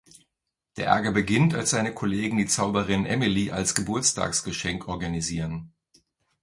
Der Ärger beginnt, als seine Kollegen die Zauberin "Emily" als Geburtstagsgeschenk organisieren.